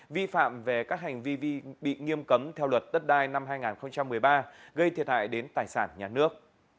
vi phạm về các hành vi bị nghiêm cấm theo luật đất đai năm hai nghìn một mươi ba gây thiệt hại đến tài sản nhà nước